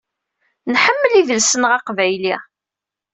Nḥemmel idles-nneɣ aqbayli.